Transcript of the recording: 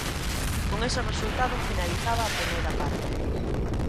Con ese resultado finalizaba a primeira parte.